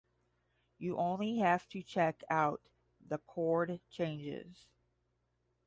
You only have to check out the chord changes.